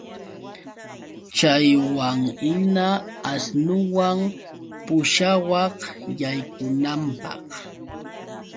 Chaywanhina asnuwan pushawaq yaykunanpaq